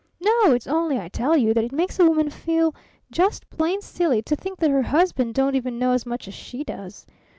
No! It's only, I tell you, that it makes a woman feel just plain silly to think that her husband don't even know as much as she does.